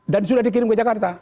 dan sudah dikirim ke jakarta